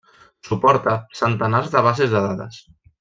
Suporta centenars de bases de dades.